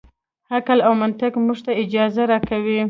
عقل او منطق موږ ته اجازه راکوي.